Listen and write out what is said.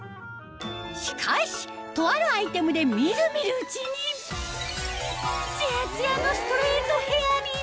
しかしとあるアイテムで見る見るうちにツヤツヤのストレートヘアに！